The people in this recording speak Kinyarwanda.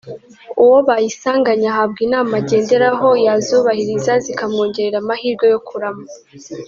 uwo bayisanganye ahabwa inama agenderaho yazubahiriza zikamwongerera amahirwe yo kurama